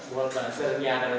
buat buzzernya ada